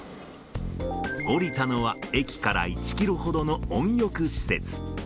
降りたのは駅から１キロほどの温浴施設。